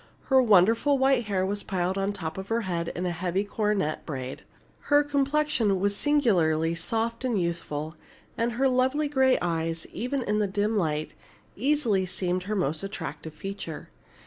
Her wonderful white hair was piled on top of her head in a heavy coronet braid. Her complexion was singularly soft and youthful, and her lovely gray eyes, even in the dim light, easily seemed her most attractive feature.